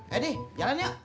eh deh jalan yuk